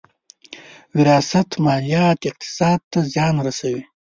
وراثت ماليات اقتصاد ته زیان رسوي.